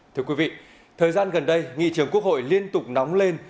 thưa quý vị thời gian gần đây nghị trường quốc hội liên tục nóng lên